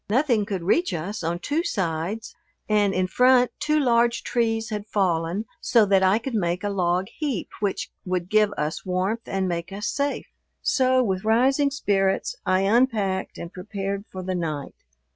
Nothing could reach us on two sides, and in front two large trees had fallen so that I could make a log heap which would give us warmth and make us safe. So with rising spirits I unpacked and prepared for the night.